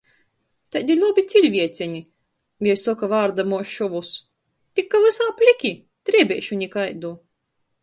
“Taidi lobi ciļvieceni,” - jei soka, vārdamuos šovus, “tik ka vysā plyki! Driebeišu nikaidu!”